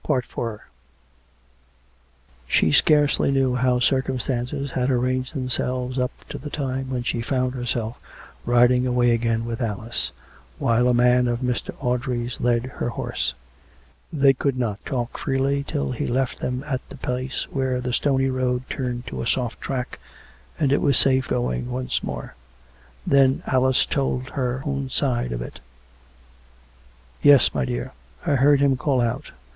IV She scarcely knew how circumstances had arranged them selves up to the time when she found herself riding away again with Alice, while a man of Mr. Audrey's led her 214 COME RACK! COME ROPE! horsre. They could not talk freely till he left them at the place where the stony road turned to a soft track, and it was safe going once more. Then Alice told her own side of it. " Yes, my dear ; I heard him call out.